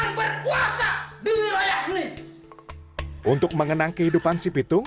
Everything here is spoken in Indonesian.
daripada kebebasan tidak habis saat itu